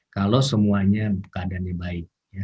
kalau semuanya keadaannya baik